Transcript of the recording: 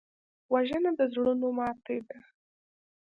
وژنه د زړونو ماتې ده